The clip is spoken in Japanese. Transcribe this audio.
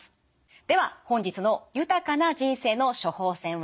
では本日の豊かな人生の処方せんは？